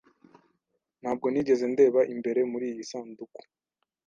Ntabwo nigeze ndeba imbere muriyi sanduku.